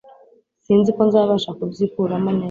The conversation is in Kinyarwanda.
sinziko nzabasha kubyikuramo neza.